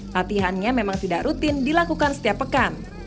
latihannya memang tidak rutin dilakukan setiap pekan